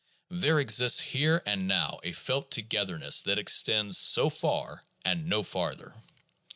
There exists here and now a felt togetherness that extends so far and no farther.